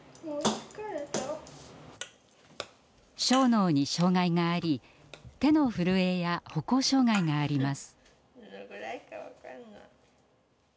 小脳に障害があり手の震えや歩行障害があります。